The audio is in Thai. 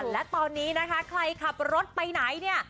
และตอนนี้นะคะใครขับรถไปไหนเนี่ย